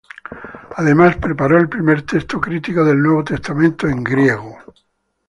Además, preparó el primer texto crítico del Nuevo Testamento en griego.